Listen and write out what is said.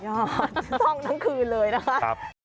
ต้องทั้งคืนเลยนะครับ